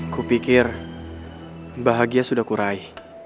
kupikir bahagia sudah kurai